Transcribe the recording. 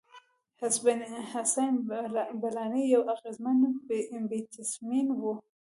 حسېن بلاڼي یو اغېزمن بېټسمېن وو.